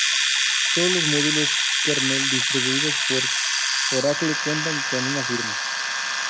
Todos los módulos kernel distribuidos por Oracle cuentan con una firma.